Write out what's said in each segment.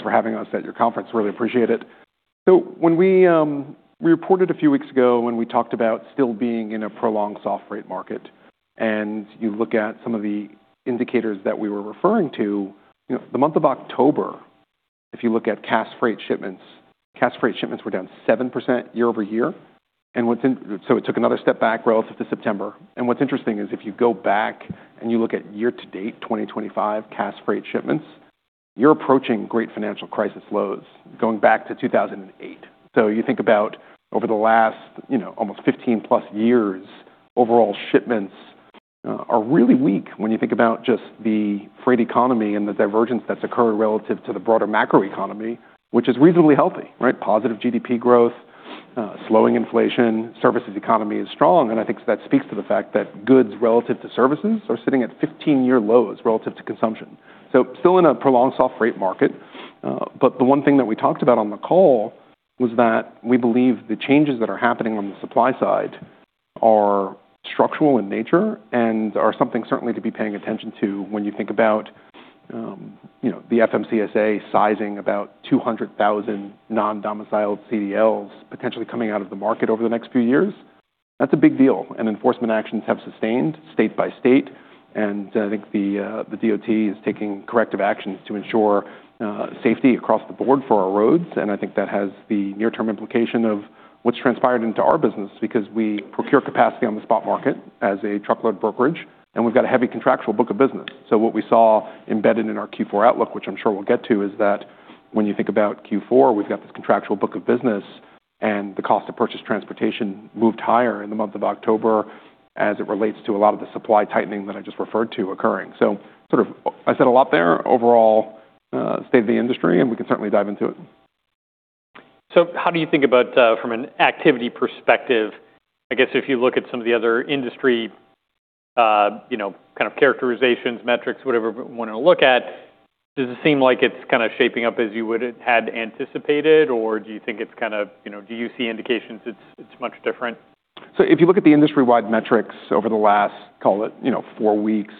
Thanks for having us at your conference. Really appreciate it. So when we reported a few weeks ago, when we talked about still being in a prolonged soft rate market, and you look at some of the indicators that we were referring to, the month of October, if you look at Cass Freight Shipments, Cass Freight Shipments were down 7% year over year. And so it took another step back relative to September. And what's interesting is if you go back and you look at year-to-date 2025 Cass Freight Shipments, you're approaching Great Financial Crisis lows going back to 2008. So you think about over the last almost 15-plus years, overall shipments are really weak when you think about just the freight economy and the divergence that's occurred relative to the broader macroeconomy, which is reasonably healthy, right? Positive GDP growth, slowing inflation, services economy is strong. I think that speaks to the fact that goods relative to services are sitting at 15-year lows relative to consumption. So still in a prolonged soft rate market. But the one thing that we talked about on the call was that we believe the changes that are happening on the supply side are structural in nature and are something certainly to be paying attention to when you think about the FMCSA sizing about 200,000 non-domiciled CDLs potentially coming out of the market over the next few years. That's a big deal. And enforcement actions have sustained state by state. And I think the DOT is taking corrective actions to ensure safety across the board for our roads. And I think that has the near-term implication of what's transpired into our business because we procure capacity on the spot market as a truckload brokerage, and we've got a heavy contractual book of business. So what we saw embedded in our Q4 outlook, which I'm sure we'll get to, is that when you think about Q4, we've got this contractual book of business, and the cost of purchased transportation moved higher in the month of October as it relates to a lot of the supply tightening that I just referred to occurring. So sort of I said a lot there, overall state of the industry, and we can certainly dive into it. So, how do you think about from an activity perspective? I guess if you look at some of the other industry kind of characterizations, metrics, whatever you want to look at, does it seem like it's kind of shaping up as you would have had anticipated, or do you think it's kind of, do you see indications it's much different? So if you look at the industry-wide metrics over the last, call it, four weeks,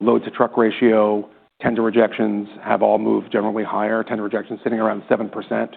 load-to-truck ratio, tender rejections have all moved generally higher. Tender rejections sitting around 7%.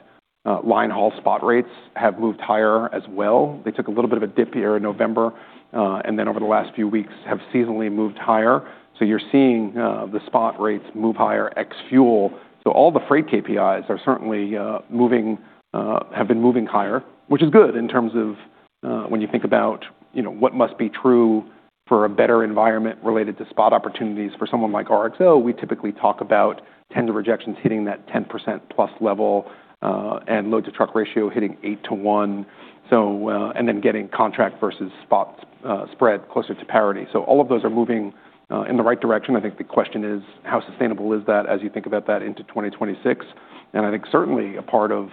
Line haul spot rates have moved higher as well. They took a little bit of a dip here in November and then over the last few weeks have seasonally moved higher. So you're seeing the spot rates move higher ex-fuel. So all the freight KPIs are certainly moving, have been moving higher, which is good in terms of when you think about what must be true for a better environment related to spot opportunities. For someone like RXO, we typically talk about tender rejections hitting that 10%-plus level and load-to-truck ratio hitting 8 to 1, and then getting contract versus spot spread closer to parity. So all of those are moving in the right direction. I think the question is, how sustainable is that as you think about that into 2026? And I think certainly a part of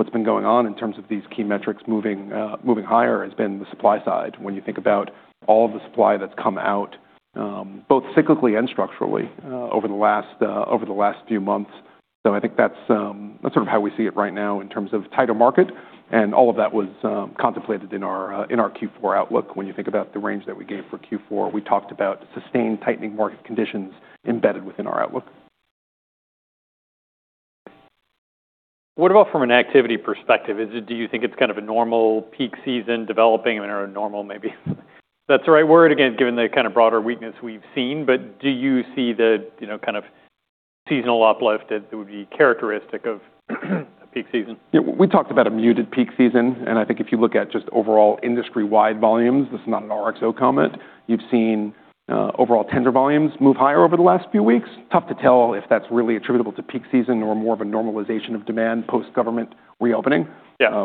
what's been going on in terms of these key metrics moving higher has been the supply side when you think about all of the supply that's come out both cyclically and structurally over the last few months. So I think that's sort of how we see it right now in terms of tighter market. And all of that was contemplated in our Q4 outlook. When you think about the range that we gave for Q4, we talked about sustained tightening market conditions embedded within our outlook. What about from an activity perspective? Do you think it's kind of a normal peak season developing or a normal—maybe that's the right word—again, given the kind of broader weakness we've seen, but do you see the kind of seasonal uplift that would be characteristic of a peak season? We talked about a muted peak season, and I think if you look at just overall industry-wide volumes, this is not an RXO comment. You've seen overall tender volumes move higher over the last few weeks. Tough to tell if that's really attributable to peak season or more of a normalization of demand post-government reopening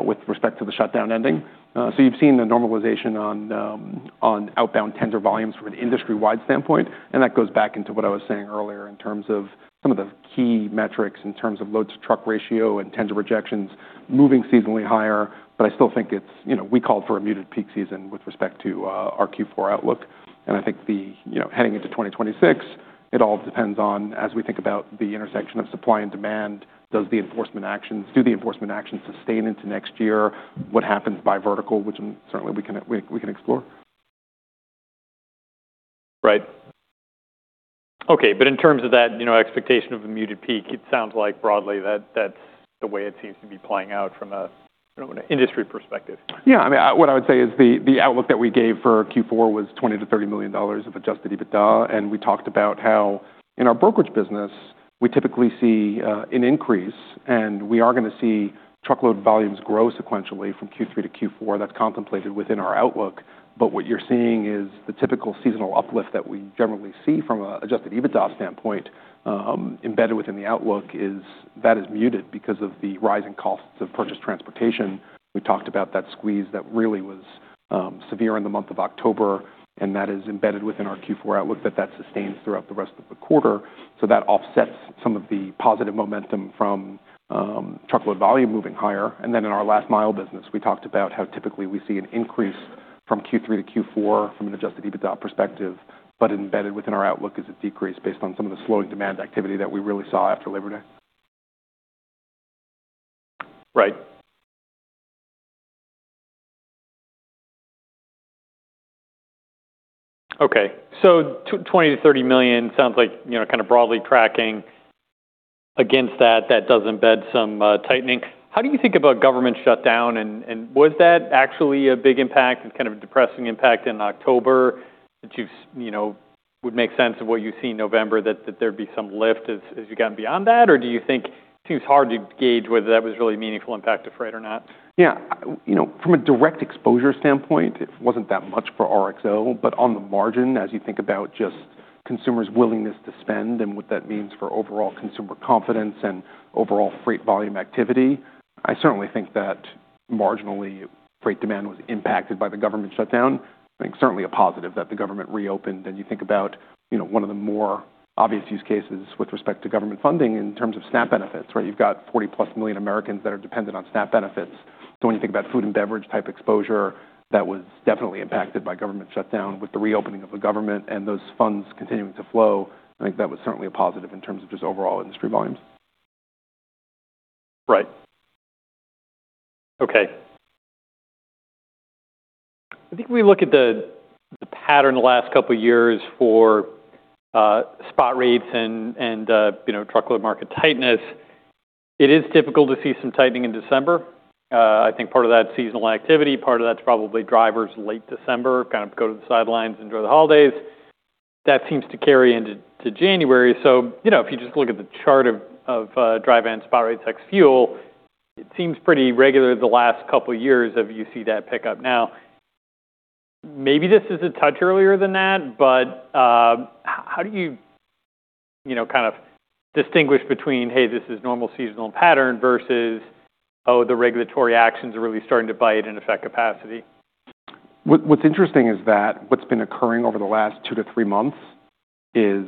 with respect to the shutdown ending. So you've seen a normalization on outbound tender volumes from an industry-wide standpoint, and that goes back into what I was saying earlier in terms of some of the key metrics in terms of load-to-truck ratio and tender rejections moving seasonally higher. But I still think it's we called for a muted peak season with respect to our Q4 outlook. I think heading into 2026, it all depends on, as we think about the intersection of supply and demand, do the enforcement actions sustain into next year? What happens by vertical, which certainly we can explore. Right. Okay. But in terms of that expectation of a muted peak, it sounds like broadly that's the way it seems to be playing out from an industry perspective. Yeah. I mean, what I would say is the outlook that we gave for Q4 was $20 million-$30 million of adjusted EBITDA. And we talked about how in our brokerage business, we typically see an increase, and we are going to see truckload volumes grow sequentially from Q3 to Q4. That's contemplated within our outlook. But what you're seeing is the typical seasonal uplift that we generally see from an adjusted EBITDA standpoint embedded within the outlook is that muted because of the rising costs of purchased transportation. We talked about that squeeze that really was severe in the month of October, and that is embedded within our Q4 outlook that sustains throughout the rest of the quarter. So that offsets some of the positive momentum from truckload volume moving higher. And then in our last mile business, we talked about how typically we see an increase from Q3 to Q4 from an adjusted EBITDA perspective, but embedded within our outlook is a decrease based on some of the slowing demand activity that we really saw after Labor Day. Right. Okay. So $20 million-$30 million sounds like kind of broadly tracking against that, that does embed some tightening. How do you think about government shutdown, and was that actually a big impact, kind of a depressing impact in October that would make sense of what you see in November that there'd be some lift as you got beyond that, or do you think it seems hard to gauge whether that was really a meaningful impact on freight or not? Yeah. From a direct exposure standpoint, it wasn't that much for RXO, but on the margin, as you think about just consumers' willingness to spend and what that means for overall consumer confidence and overall freight volume activity, I certainly think that marginally freight demand was impacted by the government shutdown. I think certainly a positive that the government reopened, and you think about one of the more obvious use cases with respect to government funding in terms of SNAP benefits, right? You've got 40-plus million Americans that are dependent on SNAP benefits. So when you think about food and beverage type exposure, that was definitely impacted by government shutdown with the reopening of the government and those funds continuing to flow. I think that was certainly a positive in terms of just overall industry volumes. Right. Okay. I think we look at the pattern the last couple of years for spot rates and truckload market tightness. It is typical to see some tightening in December. I think part of that's seasonal activity. Part of that's probably drivers late December kind of go to the sidelines and enjoy the holidays. That seems to carry into January. So if you just look at the chart of dry van spot rates ex-fuel, it seems pretty regular the last couple of years where you see that pick up. Now, maybe this is a touch earlier than that, but how do you kind of distinguish between, "Hey, this is normal seasonal pattern," versus, "Oh, the regulatory actions are really starting to bite and affect capacity"? What's interesting is that what's been occurring over the last two to three months is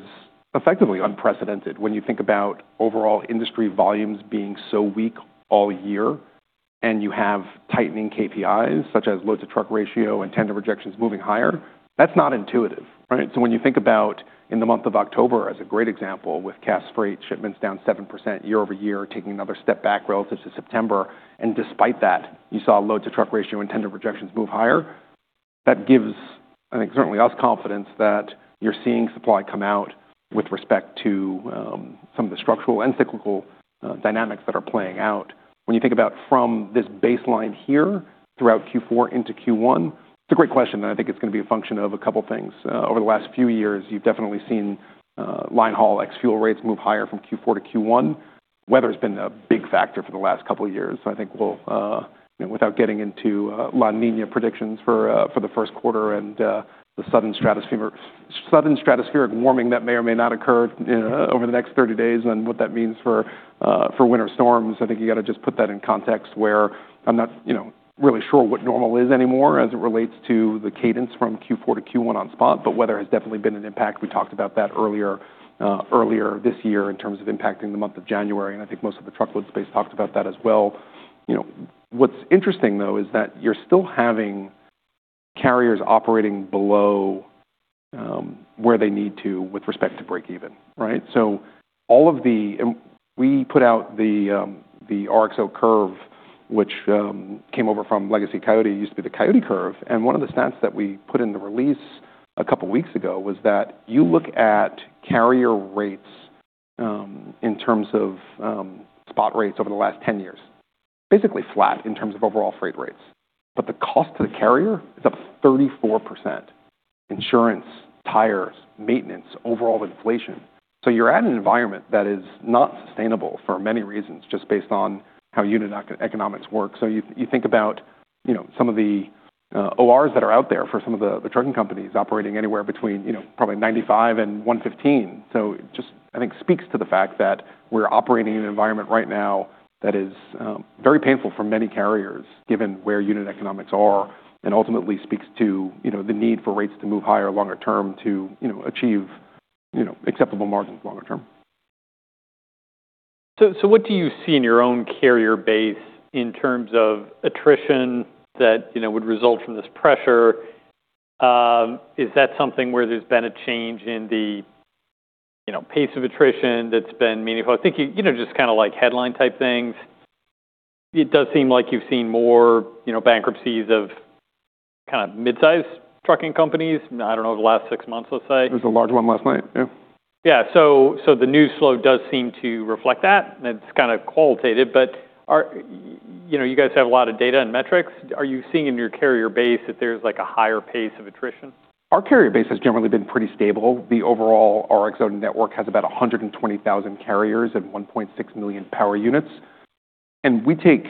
effectively unprecedented. When you think about overall industry volumes being so weak all year and you have tightening KPIs such as load-to-truck ratio and tender rejections moving higher, that's not intuitive, right? So when you think about in the month of October as a great example with Cass Freight Shipments down 7% year over year taking another step back relative to September, and despite that, you saw load-to-truck ratio and tender rejections move higher, that gives, I think, certainly us confidence that you're seeing supply come out with respect to some of the structural and cyclical dynamics that are playing out. When you think about from this baseline here throughout Q4 into Q1, it's a great question, and I think it's going to be a function of a couple of things. Over the last few years, you've definitely seen line haul ex-fuel rates move higher from Q4 to Q1. Weather has been a big factor for the last couple of years. So I think without getting into La Niña predictions for the first quarter and the sudden stratospheric warming that may or may not occur over the next 30 days and what that means for winter storms, I think you got to just put that in context where I'm not really sure what normal is anymore as it relates to the cadence from Q4 to Q1 on spot, but weather has definitely been an impact. We talked about that earlier this year in terms of impacting the month of January, and I think most of the truckload space talked about that as well. What's interesting, though, is that you're still having carriers operating below where they need to with respect to break even, right? So all of the we put out the RXO Curve, which came over from Legacy Coyote, used to be the Coyote Curve. And one of the stats that we put in the release a couple of weeks ago was that you look at carrier rates in terms of spot rates over the last 10 years, basically flat in terms of overall freight rates, but the cost to the carrier is up 34%: insurance, tires, maintenance, overall inflation. So you're at an environment that is not sustainable for many reasons just based on how unit economics work. So you think about some of the ORs that are out there for some of the trucking companies operating anywhere between probably 95%-115%. So, just, I think, speaks to the fact that we're operating in an environment right now that is very painful for many carriers given where unit economics are, and ultimately speaks to the need for rates to move higher longer term to achieve acceptable margins longer term. So what do you see in your own carrier base in terms of attrition that would result from this pressure? Is that something where there's been a change in the pace of attrition that's been meaningful? I think just kind of like headline type things. It does seem like you've seen more bankruptcies of kind of mid-sized trucking companies, I don't know, the last six months, let's say. There was a large one last night, yeah. Yeah. So the news flow does seem to reflect that, and it's kind of qualitative, but you guys have a lot of data and metrics. Are you seeing in your carrier base that there's like a higher pace of attrition? Our carrier base has generally been pretty stable. The overall RXO network has about 120,000 carriers and 1.6 million power units. And we take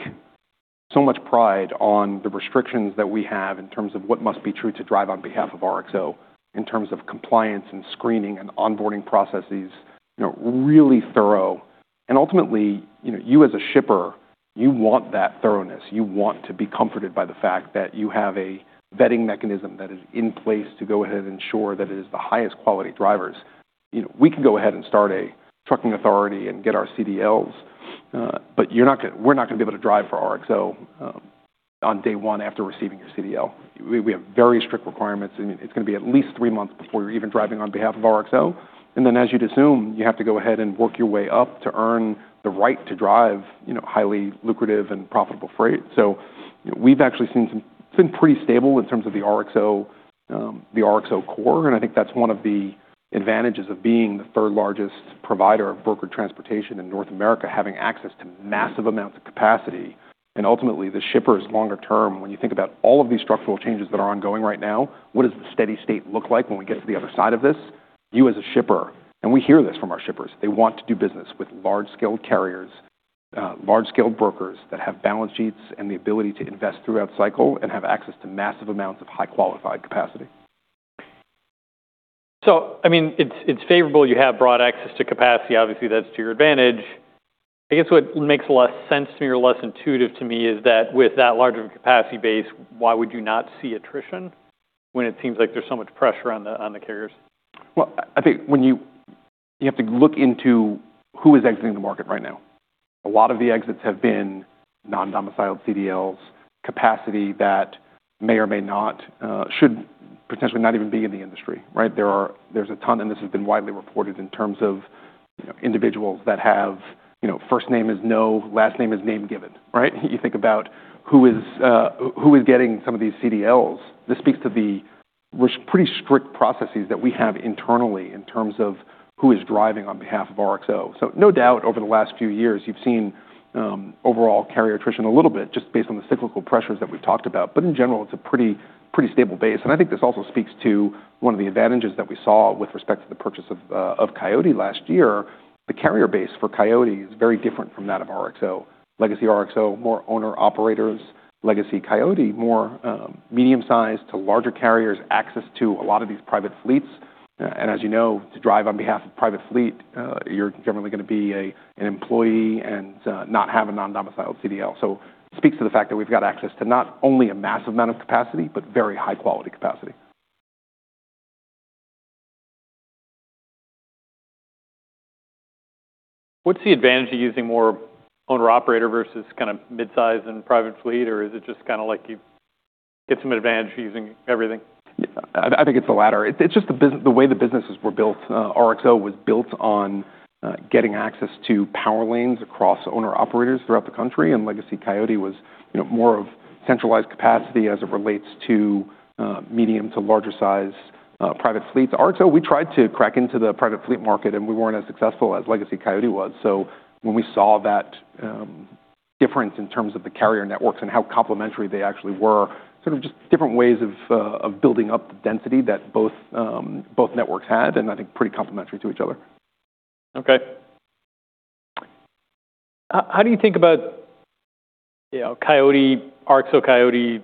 so much pride on the restrictions that we have in terms of what must be true to drive on behalf of RXO in terms of compliance and screening and onboarding processes, really thorough. And ultimately, you as a shipper, you want that thoroughness. You want to be comforted by the fact that you have a vetting mechanism that is in place to go ahead and ensure that it is the highest quality drivers. We can go ahead and start a trucking authority and get our CDLs, but we're not going to be able to drive for RXO on day one after receiving your CDL. We have very strict requirements. And then as you'd assume, you have to go ahead and work your way up to earn the right to drive highly lucrative and profitable freight. So we've actually seen some; it's been pretty stable in terms of the RXO core, and I think that's one of the advantages of being the third largest provider of brokered transportation in North America, having access to massive amounts of capacity. And ultimately, the shipper is longer term. When you think about all of these structural changes that are ongoing right now, what does the steady state look like when we get to the other side of this? You, as a shipper, and we hear this from our shippers, they want to do business with large-scale carriers, large-scale brokers that have balance sheets and the ability to invest throughout cycle and have access to massive amounts of highly qualified capacity. So, I mean, it's favorable you have broad access to capacity. Obviously, that's to your advantage. I guess what makes less sense to me, or less intuitive to me, is that with that larger capacity base, why would you not see attrition when it seems like there's so much pressure on the carriers? I think when you have to look into who is exiting the market right now, a lot of the exits have been non-domiciled CDLs, capacity that may or may not should potentially not even be in the industry, right? There's a ton, and this has been widely reported in terms of individuals that have first name "No," last name "Name Given," right? You think about who is getting some of these CDLs. This speaks to the pretty strict processes that we have internally in terms of who is driving on behalf of RXO. So no doubt over the last few years, you've seen overall carrier attrition a little bit just based on the cyclical pressures that we've talked about, but in general, it's a pretty stable base. And I think this also speaks to one of the advantages that we saw with respect to the purchase of Coyote last year. The carrier base for Coyote is very different from that of RXO. Legacy RXO, more owner-operators. Legacy Coyote, more medium-sized to larger carriers, access to a lot of these private fleets. And as you know, to drive on behalf of private fleet, you're generally going to be an employee and not have a non-domiciled CDL. So it speaks to the fact that we've got access to not only a massive amount of capacity, but very high-quality capacity. What's the advantage of using more owner-operator versus kind of mid-sized and private fleet, or is it just kind of like you get some advantage using everything? I think it's the latter. It's just the way the businesses were built. RXO was built on getting access to power lanes across owner-operators throughout the country, and Legacy Coyote was more of centralized capacity as it relates to medium to larger-sized private fleets. RXO, we tried to crack into the private fleet market, and we weren't as successful as Legacy Coyote was. So when we saw that difference in terms of the carrier networks and how complementary they actually were, sort of just different ways of building up the density that both networks had, and I think pretty complementary to each other. Okay. How do you think about Coyote, RXO Coyote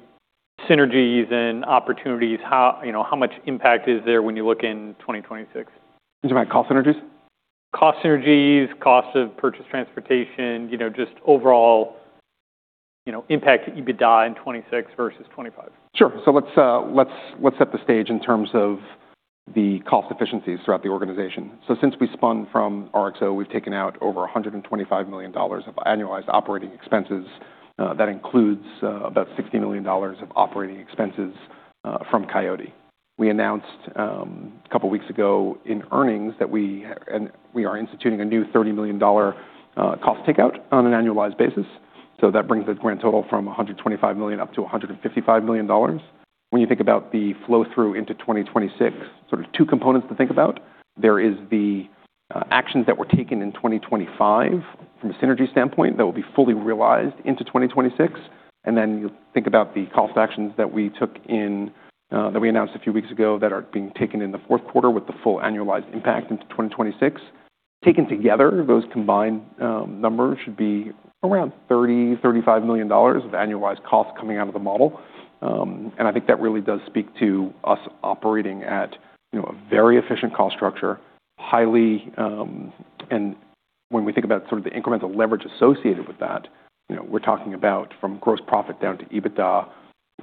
synergies and opportunities? How much impact is there when you look in 2026? You're talking about cost synergies? Cost synergies, cost of purchased transportation, just overall impact that you could see in 2026 versus 2025. Sure. So let's set the stage in terms of the cost efficiencies throughout the organization. So since we spun from RXO, we've taken out over $125 million of annualized operating expenses. That includes about $60 million of operating expenses from Coyote. We announced a couple of weeks ago in earnings that we are instituting a new $30 million cost takeout on an annualized basis. So that brings the grand total from $125 million up to $155 million. When you think about the flow through into 2026, sort of two components to think about. There are the actions that were taken in 2025 from a synergy standpoint that will be fully realized into 2026. And then you think about the cost actions that we took in that we announced a few weeks ago that are being taken in the fourth quarter with the full annualized impact into 2026. Taken together, those combined numbers should be around $30-$35 million of annualized costs coming out of the model. I think that really does speak to us operating at a very efficient cost structure, highly. When we think about sort of the incremental leverage associated with that, we're talking about from gross profit down to EBITDA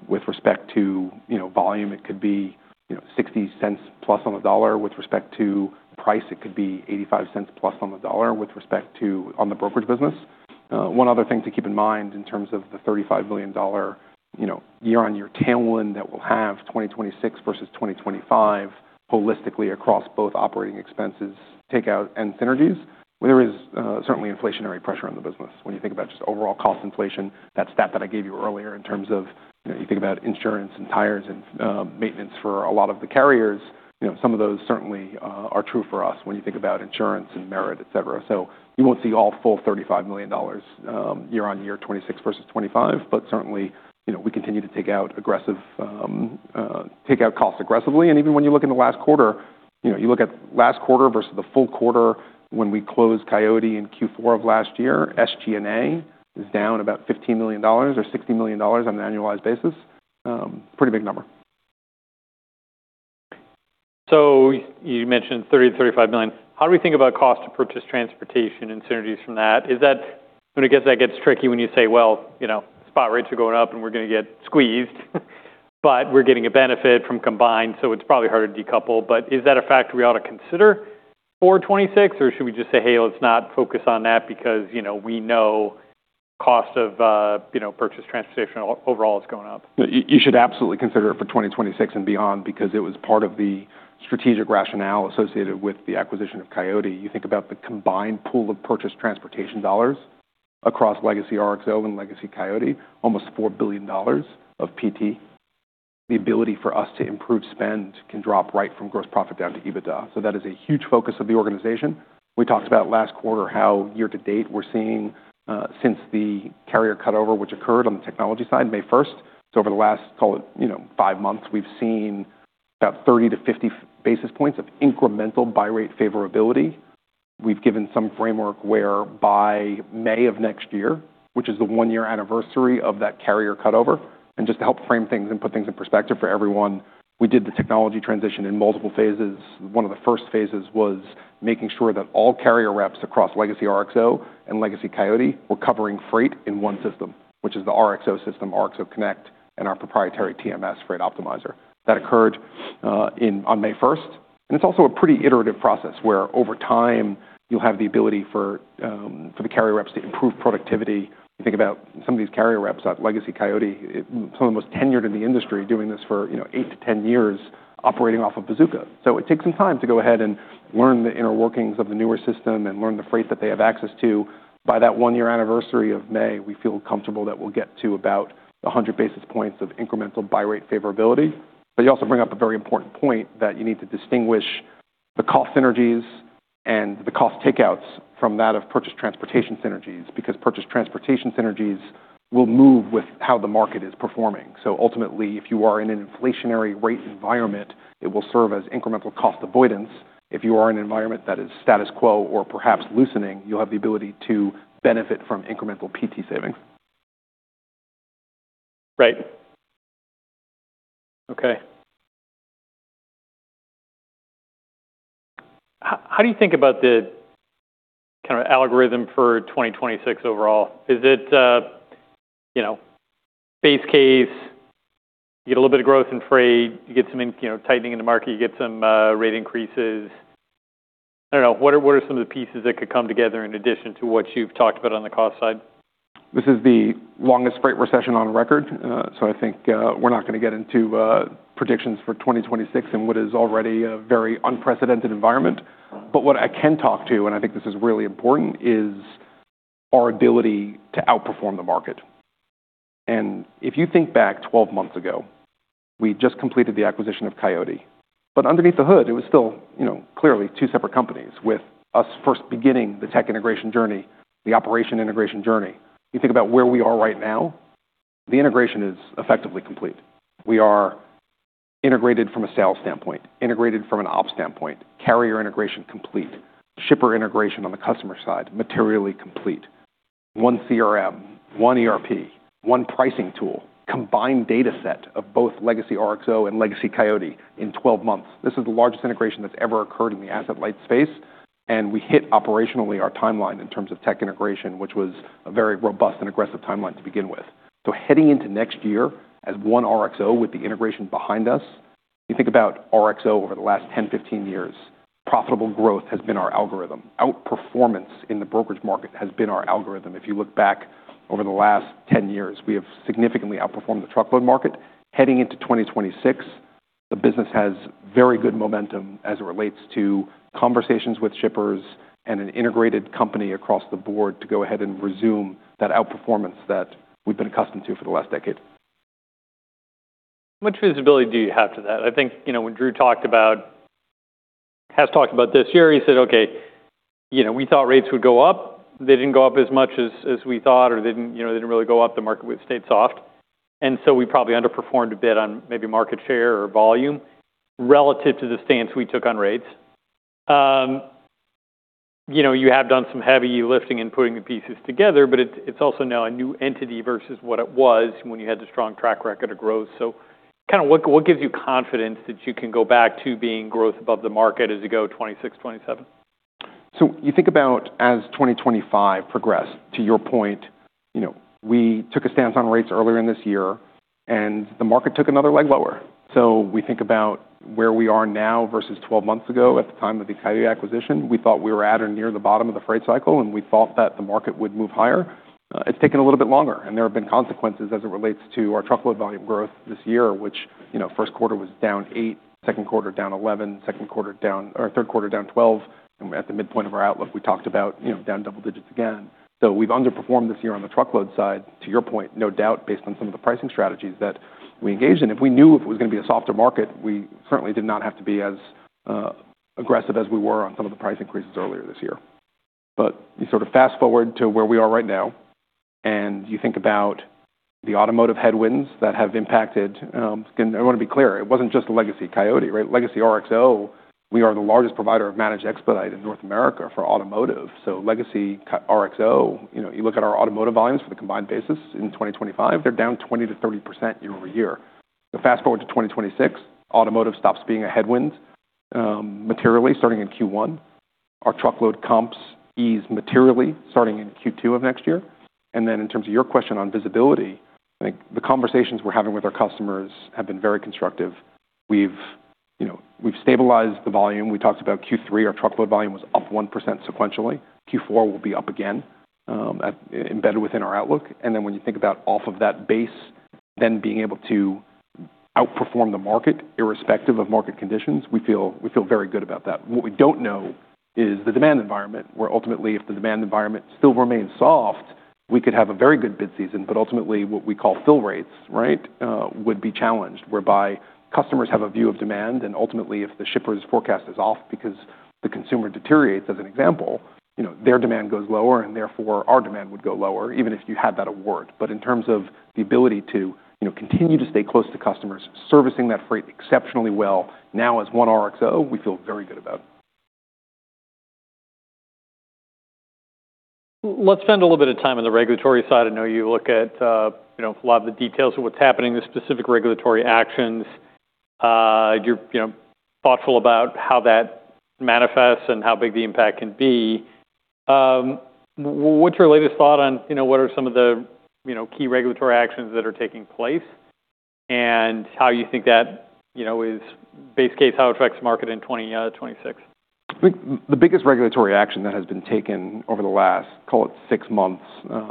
with respect to volume. It could be 60 cents plus on the dollar with respect to price. It could be 85 cents plus on the dollar with respect to the brokerage business. One other thing to keep in mind in terms of the $35 million year-on-year tailwind that will have in 2026 versus 2025 holistically across both operating expenses takeout and synergies. There is certainly inflationary pressure on the business. When you think about just overall cost inflation, that stat that I gave you earlier in terms of you think about insurance and tires and maintenance for a lot of the carriers, some of those certainly are true for us when you think about insurance and merit, etc. So you won't see all full $35 million year-on-year 2026 versus 2025, but certainly we continue to take out aggressive takeout costs aggressively. Even when you look in the last quarter, you look at last quarter versus the full quarter, when we closed Coyote in Q4 of last year, SG&A is down about $15 million or $60 million on an annualized basis. Pretty big number. So you mentioned $30-$35 million. How do we think about cost to purchase transportation and synergies from that? I guess that gets tricky when you say, "Well, spot rates are going up and we're going to get squeezed, but we're getting a benefit from combined, so it's probably hard to decouple." But is that a factor we ought to consider for 2026, or should we just say, "Hey, let's not focus on that because we know cost of purchased transportation overall is going up"? You should absolutely consider it for 2026 and beyond because it was part of the strategic rationale associated with the acquisition of Coyote. You think about the combined pool of purchased transportation dollars across Legacy RXO and Legacy Coyote, almost $4 billion of PT. The ability for us to improve spend can drop right from gross profit down to EBITDA. So that is a huge focus of the organization. We talked about last quarter how year to date we're seeing since the carrier cutover, which occurred on the technology side, May 1st. So over the last, call it five months, we've seen about 30-50 basis points of incremental buy rate favorability. We've given some framework whereby May of next year, which is the one-year anniversary of that carrier cutover. And just to help frame things and put things in perspective for everyone, we did the technology transition in multiple phases. One of the first phases was making sure that all carrier reps across Legacy RXO and Legacy Coyote were covering freight in one system, which is the RXO system, RXO Connect, and our proprietary TMS Freight Optimizer. That occurred on May 1st. And it's also a pretty iterative process where over time you'll have the ability for the carrier reps to improve productivity. You think about some of these carrier reps at Legacy Coyote, some of the most tenured in the industry doing this for 8-10 years operating off of Bazooka. So it takes some time to go ahead and learn the inner workings of the newer system and learn the freight that they have access to. By that one-year anniversary of May, we feel comfortable that we'll get to about 100 basis points of incremental buy rate favorability. But you also bring up a very important point that you need to distinguish the cost synergies and the cost takeouts from that of purchased transportation synergies because purchased transportation synergies will move with how the market is performing. So ultimately, if you are in an inflationary rate environment, it will serve as incremental cost avoidance. If you are in an environment that is status quo or perhaps loosening, you'll have the ability to benefit from incremental PT savings. Right. Okay. How do you think about the kind of algorithm for 2026 overall? Is it base case, you get a little bit of growth in freight, you get some tightening in the market, you get some rate increases? I don't know. What are some of the pieces that could come together in addition to what you've talked about on the cost side? This is the longest freight recession on record, so I think we're not going to get into predictions for 2026 in what is already a very unprecedented environment. But what I can talk to, and I think this is really important, is our ability to outperform the market. And if you think back 12 months ago, we just completed the acquisition of Coyote. But underneath the hood, it was still clearly two separate companies with us first beginning the tech integration journey, the operation integration journey. You think about where we are right now, the integration is effectively complete. We are integrated from a sales standpoint, integrated from an ops standpoint, carrier integration complete, shipper integration on the customer side materially complete. One CRM, one ERP, one pricing tool, combined data set of both Legacy RXO and Legacy Coyote in 12 months. This is the largest integration that's ever occurred in the asset light space, and we hit operationally our timeline in terms of tech integration, which was a very robust and aggressive timeline to begin with. So heading into next year as one RXO with the integration behind us, you think about RXO over the last 10, 15 years, profitable growth has been our algorithm. Outperformance in the brokerage market has been our algorithm. If you look back over the last 10 years, we have significantly outperformed the truckload market. Heading into 2026, the business has very good momentum as it relates to conversations with shippers and an integrated company across the board to go ahead and resume that outperformance that we've been accustomed to for the last decade. How much visibility do you have to that? I think when Drew talked about, has talked about this year, he said, "Okay, we thought rates would go up. They didn't go up as much as we thought, or they didn't really go up. The market would stay soft. And so we probably underperformed a bit on maybe market share or volume relative to the stance we took on rates." You have done some heavy lifting and putting the pieces together, but it's also now a new entity versus what it was when you had the strong track record of growth. So kind of what gives you confidence that you can go back to being growth above the market as you go 2026, 2027? So you think about as 2025 progressed, to your point, we took a stance on rates earlier in this year, and the market took another leg lower. So we think about where we are now versus 12 months ago at the time of the Coyote acquisition. We thought we were at or near the bottom of the freight cycle, and we thought that the market would move higher. It's taken a little bit longer, and there have been consequences as it relates to our truckload volume growth this year, which first quarter was down 8%, second quarter down 11%, third quarter down 12%. And at the midpoint of our outlook, we talked about down double digits again. So we've underperformed this year on the truckload side, to your point, no doubt, based on some of the pricing strategies that we engaged in. If we knew if it was going to be a softer market, we certainly did not have to be as aggressive as we were on some of the price increases earlier this year. But you sort of fast forward to where we are right now, and you think about the automotive headwinds that have impacted, and I want to be clear, it wasn't just Legacy Coyote, right? Legacy RXO, we are the largest provider of managed expedite in North America for automotive. So Legacy RXO, you look at our automotive volumes for the combined basis in 2025, they're down 20%-30% year over year. Fast forward to 2026, automotive stops being a headwind materially starting in Q1. Our truckload comps ease materially starting in Q2 of next year. And then in terms of your question on visibility, I think the conversations we're having with our customers have been very constructive. We've stabilized the volume. We talked about Q3, our truckload volume was up 1% sequentially. Q4 will be up again embedded within our outlook. And then when you think about off of that base, then being able to outperform the market irrespective of market conditions, we feel very good about that. What we don't know is the demand environment, where ultimately if the demand environment still remains soft, we could have a very good bid season, but ultimately what we call fill rates, right, would be challenged, whereby customers have a view of demand. And ultimately, if the shipper's forecast is off because the consumer deteriorates, as an example, their demand goes lower, and therefore our demand would go lower, even if you had that award. But in terms of the ability to continue to stay close to customers, servicing that freight exceptionally well now as one RXO, we feel very good about. Let's spend a little bit of time on the regulatory side. I know you look at a lot of the details of what's happening, the specific regulatory actions. You're thoughtful about how that manifests and how big the impact can be. What's your latest thought on what are some of the key regulatory actions that are taking place and how you think that is base case, how it affects the market in 2026? The biggest regulatory action that has been taken over the last, call it six months,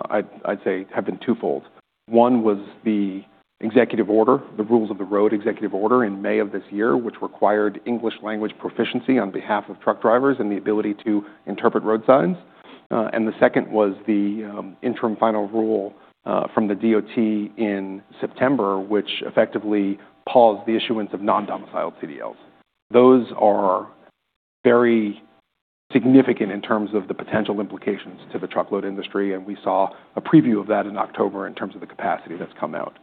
I'd say have been twofold. One was the executive order, the Rules of the Road executive order in May of this year, which required English language proficiency on behalf of truck drivers and the ability to interpret road signs. And the second was the interim final rule from the DOT in September, which effectively paused the issuance of non-domiciled CDLs. Those are very significant in terms of the potential implications to the truckload industry, and we saw a preview of that in October in terms of the capacity that's come out.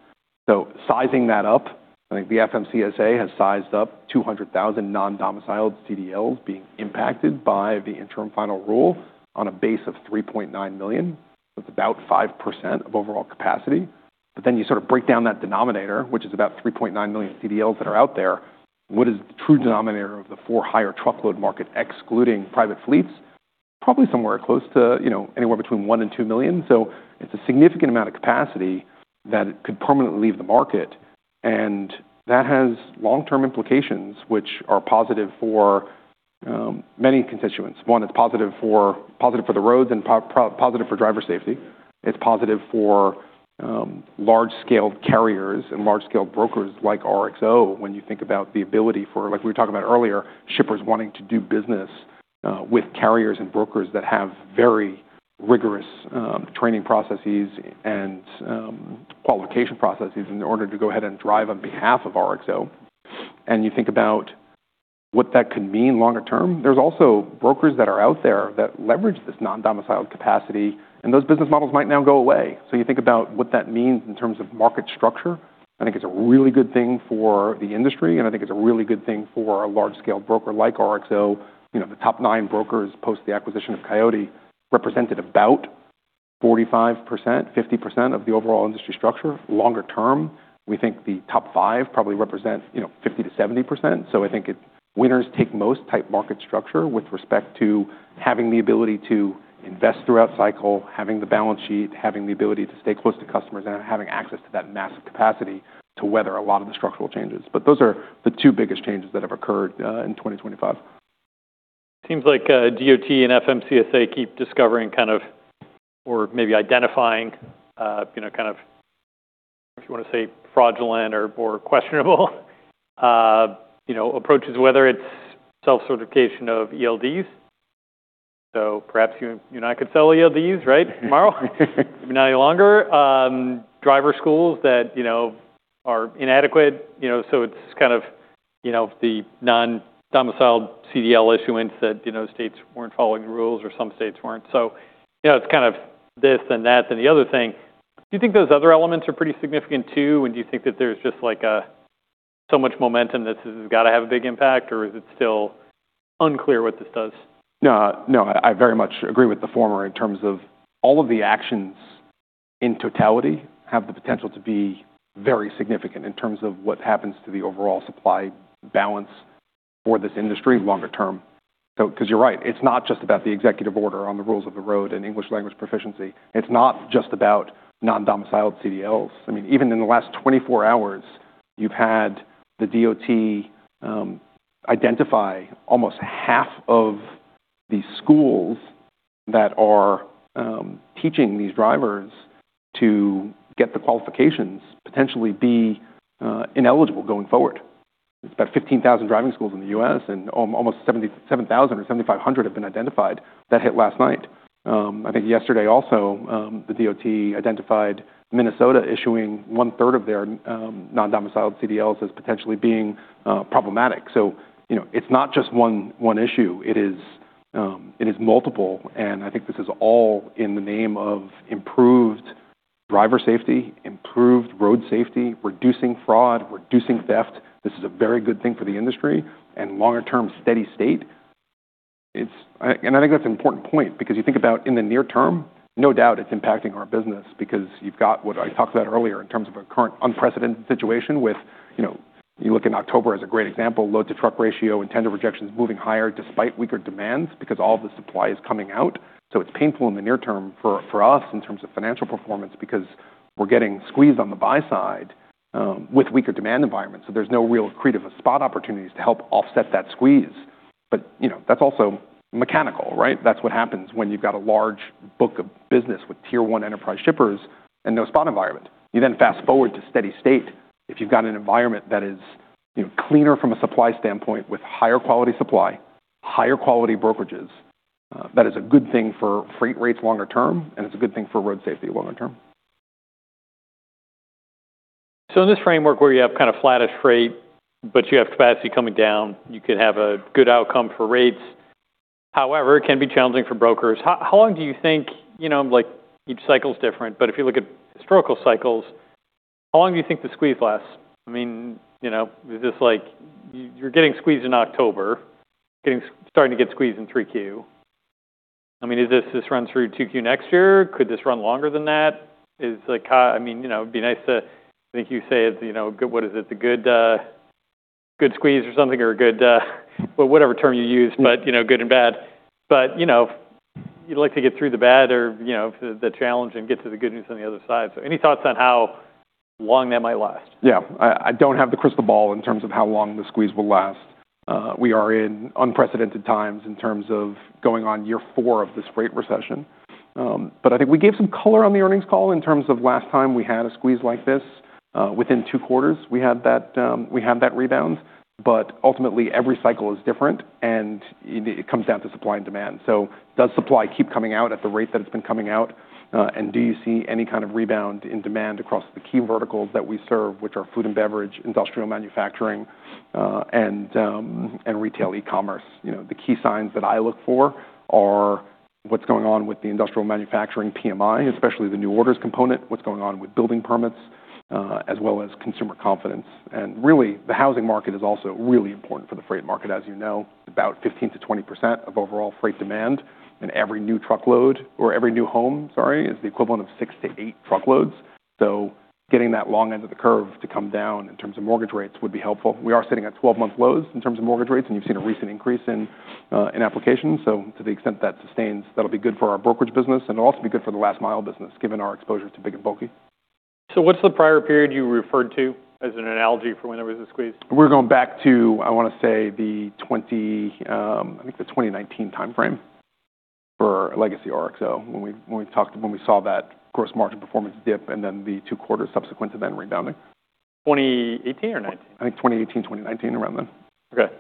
So sizing that up, I think the FMCSA has sized up 200,000 non-domiciled CDLs being impacted by the interim final rule on a base of 3.9 million. That's about 5% of overall capacity. But then you sort of break down that denominator, which is about 3.9 million trucks that are out there. What is the true denominator of the for-hire truckload market, excluding private fleets? Probably somewhere close to anywhere between 1 and 2 million. So it's a significant amount of capacity that could permanently leave the market, and that has long-term implications, which are positive for many constituents. One, it's positive for the roads and positive for driver safety. It's positive for large-scale carriers and large-scale brokers like RXO when you think about the ability for, like we were talking about earlier, shippers wanting to do business with carriers and brokers that have very rigorous training processes and qualification processes in order to go ahead and drive on behalf of RXO. And you think about what that could mean longer term. There's also brokers that are out there that leverage this non-domiciled capacity, and those business models might now go away. So you think about what that means in terms of market structure. I think it's a really good thing for the industry, and I think it's a really good thing for a large-scale broker like RXO. The top nine brokers post the acquisition of Coyote represented about 45%-50% of the overall industry structure. Longer term, we think the top five probably represent 50%-70%. So I think it's a winners-take-most-type market structure with respect to having the ability to invest throughout cycle, having the balance sheet, having the ability to stay close to customers, and having access to that massive capacity to weather a lot of the structural changes. But those are the two biggest changes that have occurred in 2025. Seems like DOT and FMCSA keep discovering kind of, or maybe identifying kind of, if you want to say fraudulent or questionable approaches, whether it's self-certification of ELDs. So perhaps you and I could sell ELDs, right, tomorrow? Maybe not any longer. Driver schools that are inadequate. So it's kind of this and that and the other thing. Do you think those other elements are pretty significant too? And do you think that there's just like so much momentum that this has got to have a big impact, or is it still unclear what this does? No, I very much agree with the former in terms of all of the actions in totality have the potential to be very significant in terms of what happens to the overall supply balance for this industry longer term. Because you're right, it's not just about the executive order on the rules of the road and English language proficiency. It's not just about non-domiciled CDLs. I mean, even in the last 24 hours, you've had the DOT identify almost half of the schools that are teaching these drivers to get the qualifications potentially be ineligible going forward. It's about 15,000 driving schools in the U.S., and almost 7,000 or 7,500 have been identified. That hit last night. I think yesterday also, the DOT identified Minnesota issuing one-third of their non-domiciled CDLs as potentially being problematic. So it's not just one issue. It is multiple. I think this is all in the name of improved driver safety, improved road safety, reducing fraud, reducing theft. This is a very good thing for the industry and longer-term steady state. I think that's an important point because you think about in the near term, no doubt it's impacting our business because you've got what I talked about earlier in terms of a current unprecedented situation with you look in October as a great example, load-to-truck ratio and tender rejections moving higher despite weaker demands because all of the supply is coming out. It's painful in the near term for us in terms of financial performance because we're getting squeezed on the buy side with weaker demand environments. There's no real creative spot opportunities to help offset that squeeze. That's also mechanical, right? That's what happens when you've got a large book of business with tier one enterprise shippers and no spot environment. You then fast forward to steady state. If you've got an environment that is cleaner from a supply standpoint with higher quality supply, higher quality brokerages, that is a good thing for freight rates longer term, and it's a good thing for road safety longer term. So in this framework where you have kind of flat-ish freight, but you have capacity coming down, you could have a good outcome for rates. However, it can be challenging for brokers. How long do you think, like each cycle's different, but if you look at historical cycles, how long do you think the squeeze lasts? I mean, is this like you're getting squeezed in October, starting to get squeezed in 3Q? I mean, is this run through 2Q next year? Could this run longer than that? I mean, it'd be nice to, I think you say it's a good, what is it, the good squeeze or something or a good, whatever term you use, but good and bad. But you'd like to get through the bad or the challenge and get to the good news on the other side. So any thoughts on how long that might last? Yeah. I don't have the crystal ball in terms of how long the squeeze will last. We are in unprecedented times in terms of going on year four of this freight recession. But I think we gave some color on the earnings call in terms of last time we had a squeeze like this. Within two quarters, we had that rebound. But ultimately, every cycle is different, and it comes down to supply and demand. So does supply keep coming out at the rate that it's been coming out? And do you see any kind of rebound in demand across the key verticals that we serve, which are food and beverage, industrial manufacturing, and retail e-commerce? The key signs that I look for are what's going on with the industrial manufacturing PMI, especially the new orders component, what's going on with building permits, as well as consumer confidence. Really, the housing market is also really important for the freight market, as you know. About 15%-20% of overall freight demand and every new truckload or every new home, sorry, is the equivalent of six to eight truckloads. So getting that long end of the curve to come down in terms of mortgage rates would be helpful. We are sitting at 12-month lows in terms of mortgage rates, and you've seen a recent increase in applications. So to the extent that sustains, that'll be good for our brokerage business, and it'll also be good for the last mile business given our exposure to big and bulky. What’s the prior period you referred to as an analogy for when there was a squeeze? We're going back to, I want to say, I think the 2019 timeframe for Legacy RXO when we saw that gross margin performance dip and then the two quarters subsequent to then rebounding. 2018 or 2019? I think 2018, 2019 around then. Okay.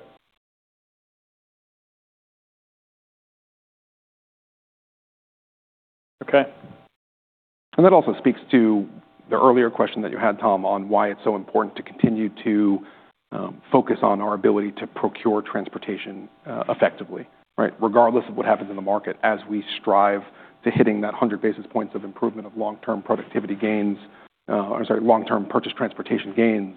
Okay. And that also speaks to the earlier question that you had, Tom, on why it's so important to continue to focus on our ability to procure transportation effectively, right? Regardless of what happens in the market, as we strive to hitting that 100 basis points of improvement of long-term productivity gains, I'm sorry, long-term purchase transportation gains,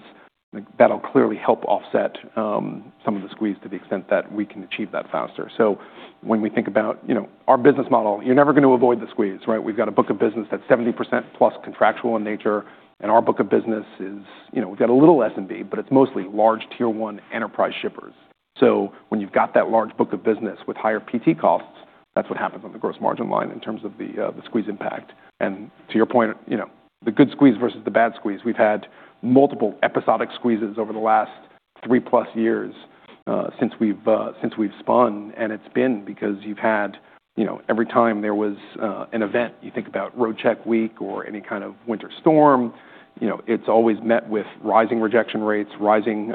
that'll clearly help offset some of the squeeze to the extent that we can achieve that faster. So when we think about our business model, you're never going to avoid the squeeze, right? We've got a book of business that's 70% plus contractual in nature, and our book of business is we've got a little S&P, but it's mostly large tier one enterprise shippers. So when you've got that large book of business with higher PT costs, that's what happens on the gross margin line in terms of the squeeze impact. And to your point, the good squeeze versus the bad squeeze, we've had multiple episodic squeezes over the last three plus years since we've spun, and it's been because every time there was an event, you think about Roadcheck week or any kind of winter storm, it's always met with rising rejection rates, rising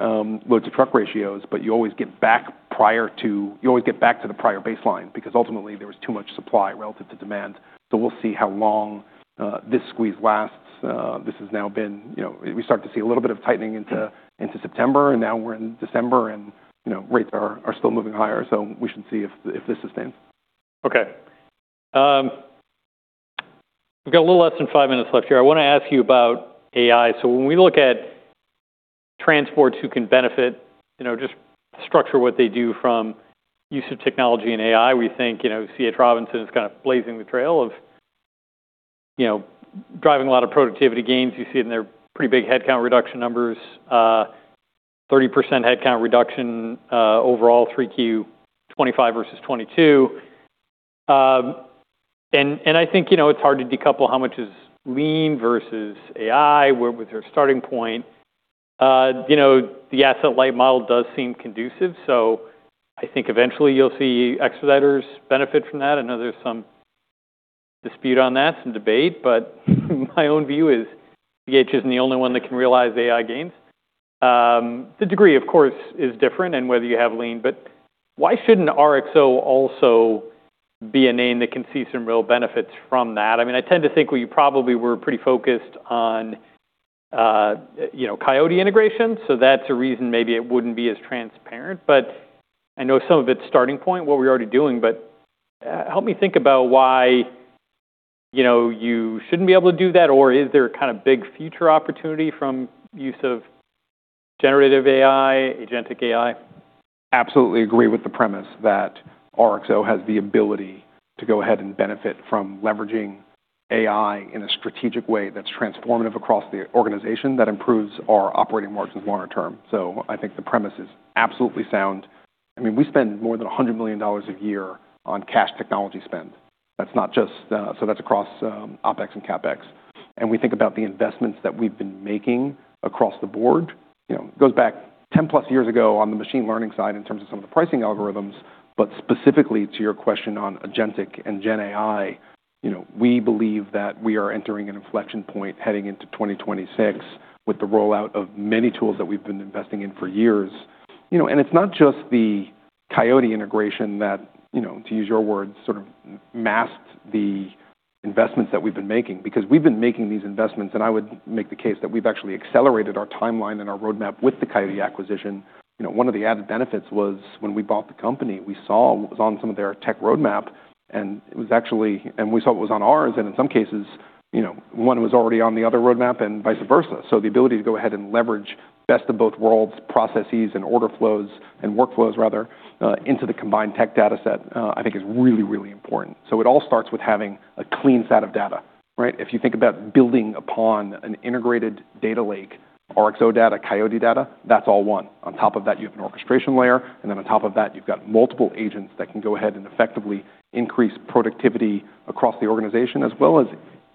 load-to-truck ratios, but you always get back to the prior baseline because ultimately there was too much supply relative to demand. So we'll see how long this squeeze lasts. This has now been. We start to see a little bit of tightening into September, and now we're in December, and rates are still moving higher. So we should see if this sustains. Okay. We've got a little less than five minutes left here. I want to ask you about AI. So when we look at transport who can benefit, just structure what they do from use of technology and AI, we think C.H. Robinson is kind of blazing the trail of driving a lot of productivity gains. You see it in their pretty big headcount reduction numbers, 30% headcount reduction overall, 3Q 2025 versus 2022. And I think it's hard to decouple how much is lean versus AI, where was their starting point? The asset-light model does seem conducive. So I think eventually you'll see x letters benefit from that. I know there's some dispute on that, some debate, but my own view is C.H. Robinson isn't the only one that can realize AI gains. The degree, of course, is different and whether you have lean, but why shouldn't RXO also be a name that can see some real benefits from that? I mean, I tend to think we probably were pretty focused on Coyote integration. So that's a reason maybe it wouldn't be as transparent. But I know some of its starting point, what we're already doing, but help me think about why you shouldn't be able to do that, or is there kind of big future opportunity from use of generative AI, agentic AI? Absolutely agree with the premise that RXO has the ability to go ahead and benefit from leveraging AI in a strategic way that's transformative across the organization that improves our operating margins longer term. So I think the premise is absolutely sound. I mean, we spend more than $100 million a year on cash technology spend. That's not just, so that's across OpEX and CapEX. And we think about the investments that we've been making across the board. It goes back 10 plus years ago on the machine learning side in terms of some of the pricing algorithms, but specifically to your question on agentic and GenAI, we believe that we are entering an inflection point heading into 2026 with the rollout of many tools that we've been investing in for years. And it's not just the Coyote integration that, to use your words, sort of masked the investments that we've been making because we've been making these investments, and I would make the case that we've actually accelerated our timeline and our roadmap with the Coyote acquisition. One of the added benefits was when we bought the company. We saw what was on some of their tech roadmap, and we saw what was on ours, and in some cases, one was already on the other roadmap and vice versa. So the ability to go ahead and leverage best of both worlds, processes and order flows and workflows rather, into the combined tech data set, I think is really, really important. So it all starts with having a clean set of data, right? If you think about building upon an integrated data lake, RXO data, Coyote data, that's all one. On top of that, you have an orchestration layer, and then on top of that, you've got multiple agents that can go ahead and effectively increase productivity across the organization, as well as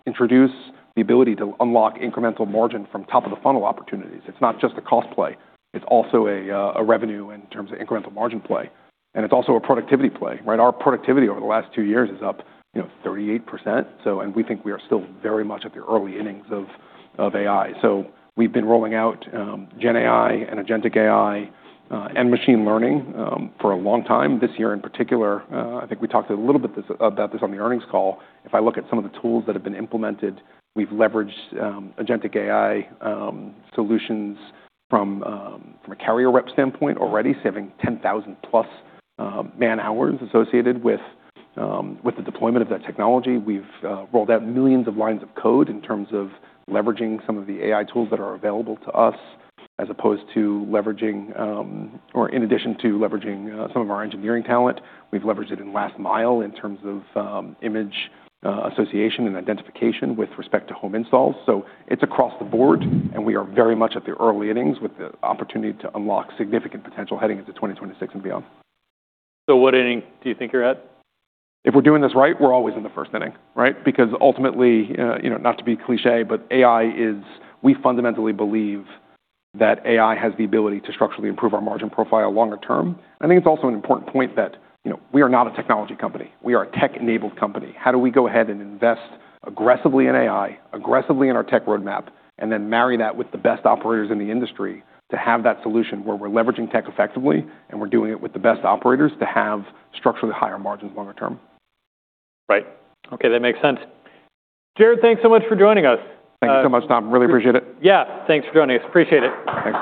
introduce the ability to unlock incremental margin from top of the funnel opportunities. It's not just a cost play. It's also a revenue in terms of incremental margin play. And it's also a productivity play, right? Our productivity over the last two years is up 38%. And we think we are still very much at the early innings of AI. So we've been rolling out GenAI and agentic AI and machine learning for a long time. This year in particular, I think we talked a little bit about this on the earnings call. If I look at some of the tools that have been implemented, we've leveraged agentic AI solutions from a carrier rep standpoint already, saving 10,000 plus man hours associated with the deployment of that technology. We've rolled out millions of lines of code in terms of leveraging some of the AI tools that are available to us as opposed to leveraging or in addition to leveraging some of our engineering talent. We've leveraged it in last mile in terms of image association and identification with respect to home installs. So it's across the board, and we are very much at the early innings with the opportunity to unlock significant potential heading into 2026 and beyond. So what inning do you think you're at? If we're doing this right, we're always in the first inning, right? Because ultimately, not to be cliché, but AI, we fundamentally believe that AI has the ability to structurally improve our margin profile longer term. I think it's also an important point that we are not a technology company. We are a tech-enabled company. How do we go ahead and invest aggressively in AI, aggressively in our tech roadmap, and then marry that with the best operators in the industry to have that solution where we're leveraging tech effectively and we're doing it with the best operators to have structurally higher margins longer term? Right. Okay. That makes sense. Jared, thanks so much for joining us. Thanks so much, Tom. Really appreciate it. Yeah. Thanks for joining us. Appreciate it. Thanks.